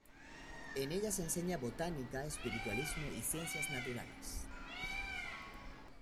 En ella se enseña botánica, espiritualismo y ciencias naturales.